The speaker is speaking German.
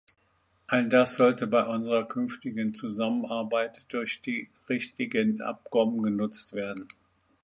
All das sollte bei unserer künftigen Zusammenarbeit durch die richtigen Abkommen genutzt werden.